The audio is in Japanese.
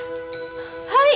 はい！